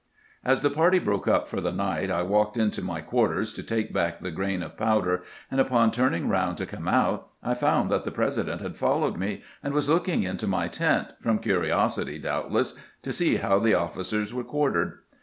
As the party broke up for the night I walked into my quarters to put back the grain of powder, and upon turning round to come out, I found that the President had followed me and was looking into my tent, from curiosity, doubtless, to see how the officers were quar tered.